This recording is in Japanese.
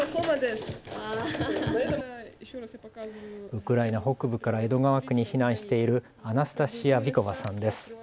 ウクライナ北部から江戸川区に避難しているアナスタシア・ヴィコヴァさんです。